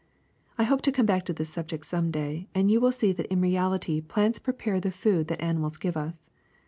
I hope to come back to this subject some day, and you will see that in reality plants prepare the food that animals give us.